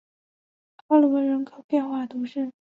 阿罗人口变化图示